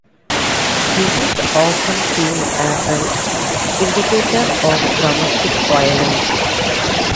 This is often seen as an indicator of domestic violence.